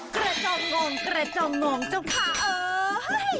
เกร็ดเจ้างงเกร็ดเจ้างงเจ้าค่ะ